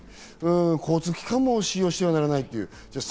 交通機関も使用してはならない。